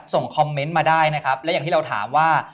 ส่งคอมเมนต์มาได้นะครับและอย่างที่เราถามว่า